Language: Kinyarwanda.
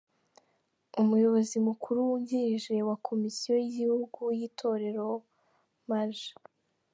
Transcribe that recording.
Umuyobozi mukuru wungirije wa Komisiyo y’igihugu y’Itorero Maj.